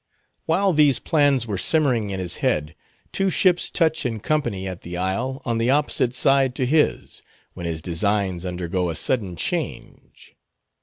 While these plans were simmering in his head, two ships touch in company at the isle, on the opposite side to his; when his designs undergo a sudden change.